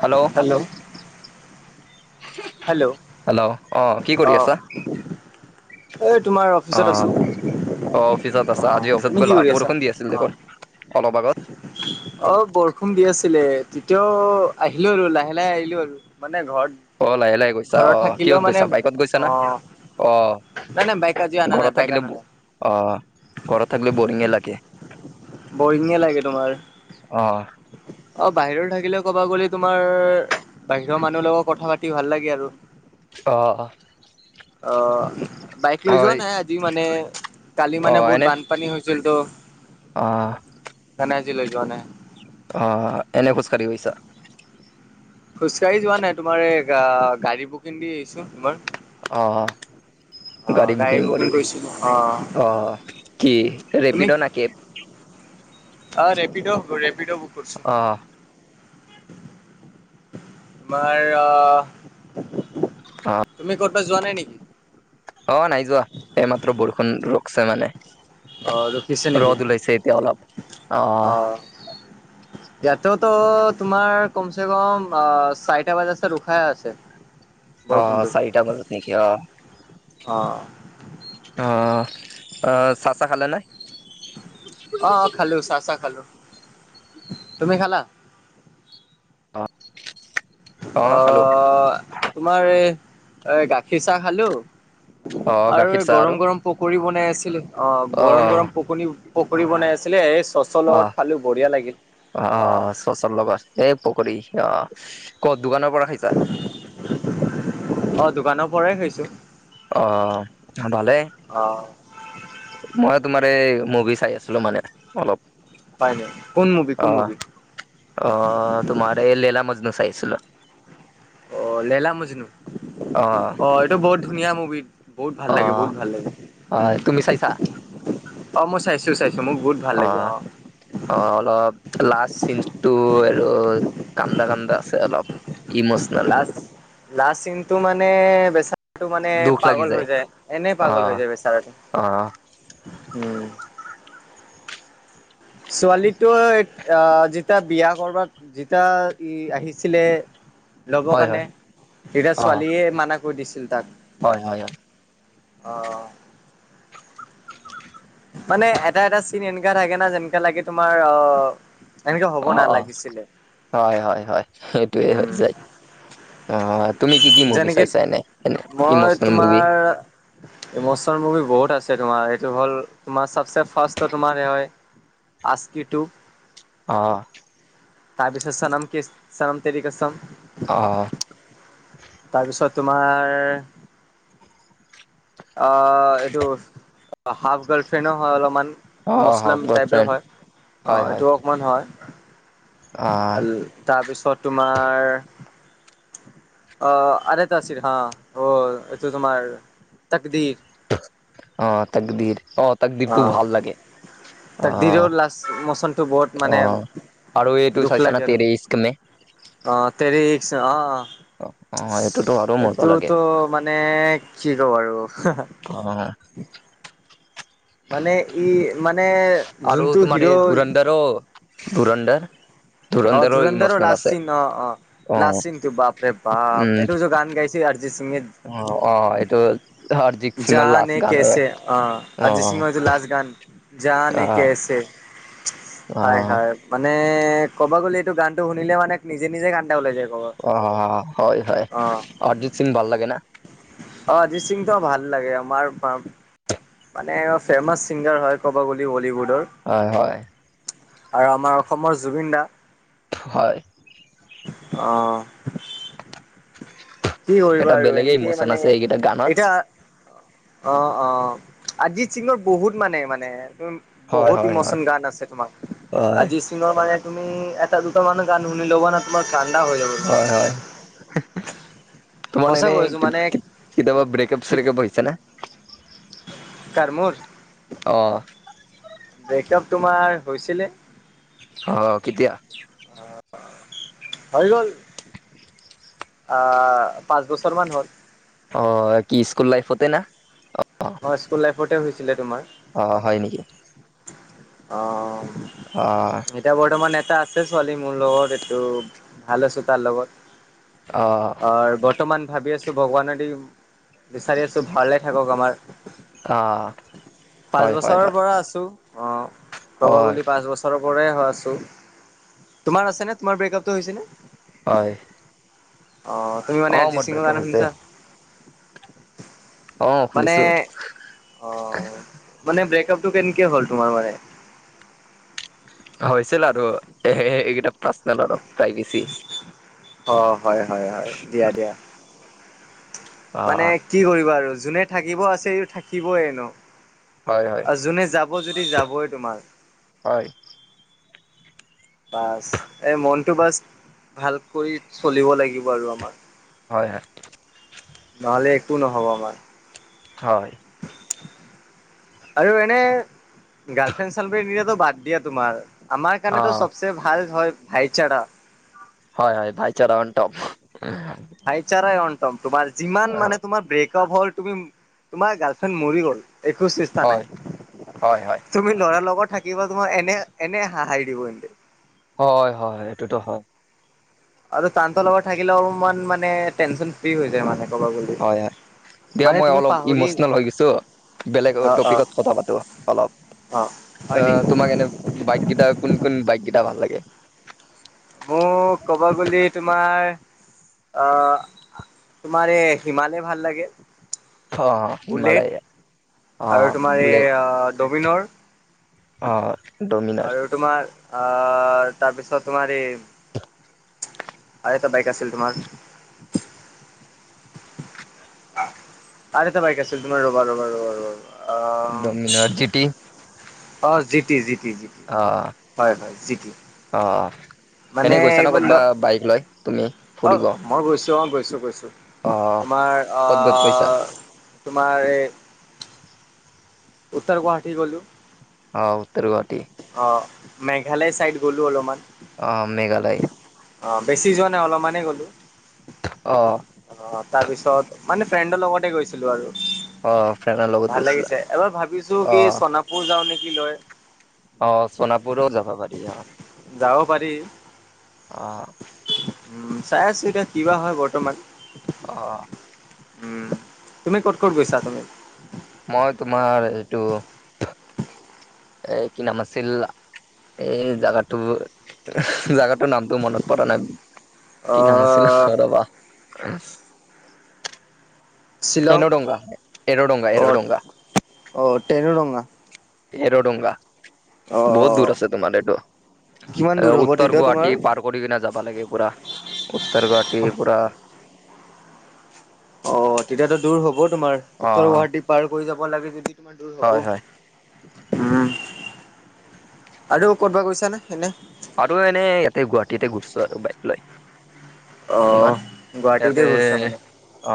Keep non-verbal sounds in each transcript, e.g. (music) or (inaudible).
Hello hello অ' কি কৰি আছা? এই তোমাৰ অ অফিচত আছো। অ অফিচত আছা, আজি অফিচত তুমি কি গ'লা কৰি আছা? বৰষুণ দি আছিল দেখোন। অলপ আগত অ বৰষুণ দি আছিলে তেতিয়াও আহিলো আৰু লাহে লাহে আহিলো আৰু মানে ঘৰত অ লাহে লাহে গৈছা ঘৰত অ থাকিলেও কিহত মানে গৈছা বাইকত গৈছা অ না অ নাই নাই বাইক আজি অনা নাই ঘৰত বাইক থাকিলে অনা ব নাই। অ ঘৰত থাকিলে বৰিং এ লাগে বৰিঙে লাগে তোমাৰ অ অ বাহিৰত থাকিলে ক'বা গ'লে তোমাৰ বাহিৰৰ মানুহৰ লগত কথা পাতি ভাল লাগে আৰু অহ অ অ বাইক লৈ যোৱা হয় নাই আজি মানে কালি অ মানে বহুত এনে বানপানী হৈছিল ত। অ নাই নাই আজি লৈ যোৱা নাই। অ এনে খোজ কাৰি গৈছা খোজকাঢ়ি যোৱা নাই তোমাৰ এই গা গাড়ী বুকিং দি আহিছো তোমাৰ। অ। অ' গাড়ী বুকিং কৰি কৰিছিলো অ' অ‌ কি তুমি ৰেপিডো নে কি অ ৰেপিড' ৰেপিড' বুক কৰিছো। অ তোমাৰ অ অ তুমি কত'বাত যোৱা নাই নেকি? অ নাই যোৱা এইমাত্ৰ বৰষুণ ৰখছে মানে। অ' ৰখিছে নেকি ৰ'দ ওলাইছে এতিয়া অলপ অ। ইয়াতে ত তোমাৰ কমচে কম অ চাৰিটা বজাতছে ৰোখাই আছে। অ বৰষুণটো চাৰিটা মাজত নেকি অ। অ। অ অ চাহ চাহ খালে নে। অ অ খালো চাহ চাহ খালো। তুমি খালা? অ অ খালো তোমাৰ এ এই গাখীৰ চাহ খালো। অ', আৰু গাখীৰ এই চাহ গৰম গৰম পকৰি বনাই আছিলে অ গৰম অ', গৰম পকৰি পকৰি বনাই আছিলে এই চচৰ অ'। লগত খালো বঢ়িয়া লাগিল। অ চচৰ লগত এই পকৰি অ কত দোকানৰ পৰা খাই অ দোকানৰ পৰাই খাইছো। অ ভালেই। অ মই তোমাৰ এই মুভি চাই আছিলো মানে অলপ। পাই নাই। কোন মুভি কোন অ', মুভি? অ তোমাৰ এ লেলা মাজনু চাইছিলো। অ লেলা মজনু অ এইটো বহুত ধুনীয়া মুভি। বহুত ভাল লাগে অ', বহুত ভাল লাগে উ অ', তুমি চাইছা? অ মই চাইছো চাইছো মোক বহুত ভাল অ। লাগে অ অলপ লাষ্ট চিনটো আৰু কান্দা কান্দা আছে অলপ। ইমছ- লাষ্ট লাষ্ট চিনটো মানে বেচা টো মানে দুখ লাগি পাগল হৈ যায় এনে পাগল হৈ অ', যায় বেচাৰটো অ', উম ছোৱালীটো আহ যেতিয়া বিয়া কৰবাত যেতিয়া ই আহিছিলে ল'ব হয় কাৰণে হয় তেতিয়া অ', ছোৱালীয়ে মানা কৰি দিছিল তাক। হয় হয় হয়। অ' মানে এটা-এটা চিন এনেকা থাকে না যেনেকা লাগে তোমাৰ অ' এনেকে হ'ব অ'-অ' নালাগিছিলে হয়-হয়-হয় সেইটোৱে হৈ উম যায় অ'। তুমি কি-কি মুভি যেনেকে চাইছা এনে- এনে ইমচনেল মুভি? এয়া ইমচনেল মুভি বহুত আছে তোমাৰ এইটো হ'ল তোমাৰ চবছে ফাৰ্ষ্টটো তোমাৰ হয় আশিকি টু অ' তাৰপিছত চনম কি চনম তেৰি কেচাম অ' তাৰপিছত তোমাৰ অ' এইটো হাফ গাৰ্লফ্ৰেণ্ডো হয় অলপমান অ হক ইমচলেম টাইপে বয়ফ্ৰেণ্ড হয় হয় হয় এইটো হয়। অ তাৰপিছত তোমাৰ অ' আৰু এটা আছিল হা অ' এইটো তোমাৰ তকদীৰ। অ' তাকদীৰ অ' তাকদীৰটো ভাল লাগে। অ তাকদীৰৰ লাষ্ট মচনটো বহুত অ মানে আৰু এইটো দুখ চাইছা লাগে আৰু তেৰে ইশক নে? অ' তেৰি ইশক অ' অ এইটোতো আৰু মজা লাগে এইটোত মানে কি কওঁ আৰু হে-হে অ' মানে ই মানে আৰু যোনটো তোমাৰ হিৰ' এই ধুৰন্ধৰো ধুৰন্ধৰ অ' ধুৰন্ধৰো ধুৰন্ধৰৰ ইমচনেল লাচ আছে চিন অ অ'-অ' লাচ চিনটো বাপৰে বাপ এটো যে গান গাইছে অৰিজিৎ সিঙে অ'-অ' এইটোত জানে কেছে অ' অৰিজিৎ সিংৰ এইটো লাষ্ট গান। অ জানে কেছে অ হায়-হায় মানে ক'বা গ'লে এইটো গানটো শুনিলে মানে নিজে-নিজে কন্দা এটা ওলাই যায়। অ' হয়-হয় অৰিজিৎ সিং ভাল লাগে না? অ' অৰজিত সিং তো ভাল লাগে আমাৰ মানে ফেমাচ চিংগাৰ হয় ক'ব গ'লে বলীউডৰ হয়-হয়। আৰু আমাৰ অসমৰ জুবিন দা। হয় অ' কি কৰিবা এটা আৰু বেলেগে এনেকে ইমচন মানে আছে এইকেইটা গানত এতিয়া অ'-অ' অৰজিৎ সিঙৰ বহুত মানে-মানে হয় বহুত হয় হয় ইমচনেল গান আছে তোমাৰ হয় অৰজিৎ সিংৰ মানে তুমি এটা দুটা মানুহ গান শুনি ল'ব না তোমাৰ কন্দা‌ হৈ যাব। তোমাৰ। হয়-হয়। তোমাৰ সঁচা এনে কৈছো মানে কেতিয়াবা ব্ৰেকআপ কি চ্ৰেকপ হৈছে নে? কাৰ মোৰ অ' ব্ৰেকআপ তোমাৰ হৈছিলে। অ' কেতিয়া? অ' হৈ গ'ল। অ' পাঁচ বছৰ মান হ'ল। অ' কি স্কুল লাইফতে না? হয়, স্কুল লাইফতে হৈছিলে তোমাৰ। অ, হয় নেকি? অ', অ', এতিয়া বৰ্তমান এটা আছে ছোৱালী মোৰ লগত এইটো ভাল আছো তাৰ লগত। অ, বৰ্তমান ভাবি আছো ভগৱানেদি বিচাৰি আছো ভালে থাকক আমাৰ অ পাঁচ হয় হয় বছৰৰ হয় পৰা আছোঁ। অ, কব হয় গলি পাঁচ বছৰ (unintelligible) পৰা হয় আছো তোমাৰ আছে নে তোমাৰ ব্ৰেকআপ টো হৈছেনে? হয় অ, তুমি অ মানে অৰজিত মোৰ সিঙৰ ব্ৰেকআপ গানে হৈছে শুনিছা? অ, মানে শুনিছো। অ মানে ব্ৰেকআপ টো কেনকে হ'ল তোমাৰ মানে? হৈছিল আৰু (unintelligible) এইকেইটা পাৰ্চনেল অলপ প্ৰাইভেচি। অ, হয়-হয়-হয় দিয়া- দিয়া অ মানে কি কৰিবা আৰু যোনে থাকিব আছে ই থাকিবই এনো হয় হয় আৰু যোনে যাব (unintelligible) যদি যাবই তোমাৰ। হয়। বাচ এ মনটো বাচ ভাল কৰি চলিব লাগিব আৰু আমাৰ। হয়- হয়। নহ'লে একো নহ'ব আমাৰ। হয়। আৰু এনে গাৰ্লফ্ৰেণ্ড চালফ্ৰেণ্ড (unintelligible) তো বাদ দিয়া তোমাৰ। আমাৰ কাৰনে তো অ চবচে ভাল হয় ভাইচাৰা। হয়-হয় ভাইচাৰা অনটপ। ভাইচাৰাই অনটপ তোমাৰ যিমান মানে তোমাৰ ব্ৰেকআপ হ'ল তুমি তোমাৰ গাৰ্লফ্ৰেণ্ড মৰি গ'ল একো চেষ্টা হয় নাই। হয় হয় তুমি ল'ৰাৰ লগত থাকিবা তোমাক এনে -এনে হাহাই দিব ইন্তে। হয়-হয় এইটোতো হয়। আৰু তাহাঁতৰ লগত থাকিলেও মান মানে টেনচন ফ্ৰী হৈ যায় মানে কবা গলি। হয় হয় দিয়া মই অলপ ইমচনেল হৈ গৈছো বেলেগ অ অ টপিকত কথা পাতো অলপ। অ এ হয় নেকি? তোমাক এনে বাইক গীদা কোন -কোন বাইকগীদা ভাল লাগে? মোক ক'ব গ'লি তোমাৰ আহ তোমাৰ এ হিমালে ভাল লাগে অ বুলেট হিমালয়া অ আৰু তোমাৰ বুলেট এই ডমিনৰ। অ, ডমিনাৰ। আৰু তোমাৰ আ তাৰপিছত তোমাৰ এই আৰু এটা বাইক আছিল তোমাৰ আৰু এটা বাইক আছিল তুমাৰ ৰ'বা- ৰ'বা- ৰ'বা - ৰ'বা অ। ডমিনাৰ জি টি অ, জিটি-জিটি-জিটি। অহ', অহ', এনে মানে গৈছা নে এইবাৰ ল ক'তবা বাইক লৈ তুমি ফুৰিব। অ মই গৈছোঁ অহ, গৈছোঁ -গৈছোঁ অ তোমাৰ আ ক'ত ক'ত গৈছা তোমাৰ এ উত্তৰ গুৱাহাটী গ'লো। অ, উত্তৰ গুৱাহাটী। অ, মেঘালয় চাইদ গ'লো অলমান। অ, মেঘালয়। অ, বেছি যোৱা নাই অলমানেই গ'লো। অ', অ, তাৰ পিছত মানে ফ্ৰেণ্ডৰ লগতে গৈছিলোঁ আৰু। অ ফ্ৰেণ্ডৰ লগত ভাল গৈছিলা লাগিছে এবাৰ ভাবিছোঁ কি অ সোনাপুৰ যাওঁ নেকি লৈ, অ সোনাপুৰোও যাব পাৰি অ যাব পাৰি। অ', উম চাই আছো এতিয়া কিবা হয় বৰ্তমান। অ'হ। উম, তুমি ক'ত ক'ত গৈছা তুমি? মই তোমাৰ এইটো। এই কি নাম আছিল এই জাগাটো। জাগাটোৰ নামটো মনত পৰা নাই কি নাম আছিল অ', ৰ ৰবা। আ শ্বিলং এন ডংগা এৰ ডংগা এৰ অ', ডংগা অ', তেনুৰঙা এৰ ডংগা বহুত দূৰ অ', আছে তোমাৰ এইটো কিমান দূৰ এ হ'ব উত্তৰ তেতিয়া তোমাৰ? গুৱাহাটী পাৰ্ক কৰি কিনে যাবা লাগে পুৰা উত্তৰ গুৱাহাটীৰ পৰা অ তেতিয়াতো দূৰ হব তোমাৰ অ উত্তৰ গুৱাহাটী পাৰ কৰি যাব লাগে যদি তোমাৰ দূৰ হব হয় হয় উম আৰু ক'ৰবাত গৈছা নে এনে? আৰু এনে ইয়াতে গুৱাহাটীতে গৈছোঁ আৰু বাইক লৈ অ', তোমাৰ গুৱাহাটীতে ইয়াতে ঘূৰিছা মানে অ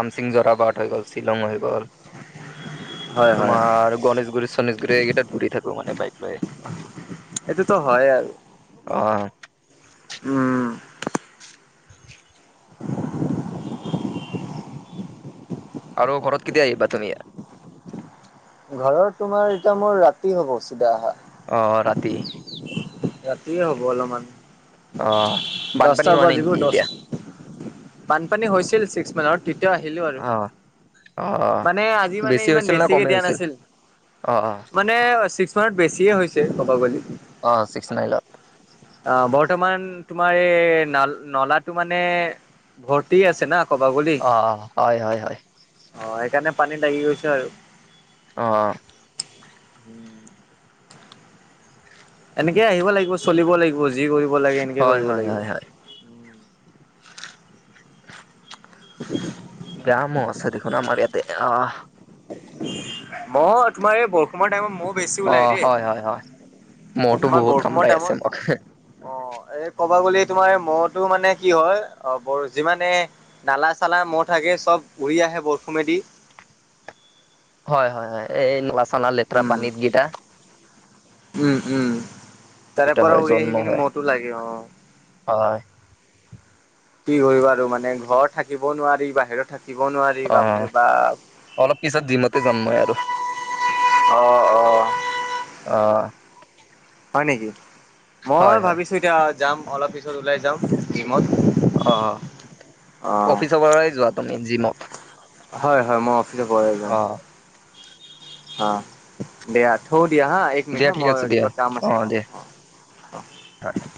আমচিং জোৰাবাট হৈ গ'ল শ্বিলং হৈ গ'ল হয়, হয়, হয়, তোমাৰ গণেশগুৰি চণেশগুৰি এইকেইটাত ঘূৰি থাকো মানে বাইক লৈ, এইটোতো হয় আৰু অ উম আৰু ঘৰত কেতিয়া আহিবা তুমি? ঘৰৰ তোমাৰ এতিয়া মোৰ ৰাতি হব চিধা আহা অঁ ৰাতি ৰাতিয়ে হব অলপমান অ বানপানী দশটা হোৱা নাই বাজিব নেকি দশ এতিয়া? বানপানী হৈছিল ছিক্স মানত তেতিয়া আহিলোঁ আৰু অ অ মানে আজি মানে বেছি ইমান হৈছিল না বেছিকে কমেই দিয়া হৈছিল? নাছিল। অ অ মানে ছিক্স মানত বেছিয়ে হৈছে কবগলে, অ চিক্স নাই লোৱা অ বৰ্তমান তোমাৰ এই ন নলাটো মানে ভৰ্তি আছে না কবা বুলি অ অ হয় হয় হয় অ সেইকাৰণে পানী বাঢ়ি গৈছে আৰু অ অ উম এনেকে আহিব লাগিব চলিব লাগিব যি কৰিব লাগে এনেকে কৰিব লাগিব ব্যায়ামো আছে দেখোন আমাৰ ইয়াত তে অ মহ তোমাৰ এই কিছুমান টাইমত মহ বেছি অ ওলাই দেই হয় হয় হয় মহতো তোমাৰ বহুত বৰষুণৰ কামৰাই আছে মোক টাইমত অ এই কব গলে তোমাৰ মহ টো মানে কি হয় অ বৰ যিমানে নালা চালাত মহ থাকে চব উৰি আহে বৰষুণেদি হয় হয় হয় এই নলা চালা লেতেৰা উম, পানীত কেইটা উম উম তাৰে এইটো পৰা হয় উৰি জন্ম আহি পিনি হয় মহ টো লাগে অ হয় কি কৰিবা আৰু মানে ঘৰত থাকিব নোৱাৰি বাহিৰত থাকিব নোৱাৰি অ বাপৰে বা অলপ পিছত জিমতে যাম মই আৰু অহ অহ অহ হয় নেকি মই হয় হয় ভাবিছো এতিয়া যাম অলপ পিছত ওলাই যাম জিমত অ অ, অফিচৰ পৰাই যোৱা তুমি জিমত হয় হয় মই অফিচৰ পৰাই অ যাওঁ অ দিয়া থঁও দিয়া হা এক মিনিট হা মই কিবা কাম আছে অ অ হয়